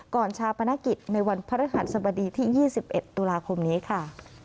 ชาปนกิจในวันพระฤหัสสบดีที่๒๑ตุลาคมนี้ค่ะ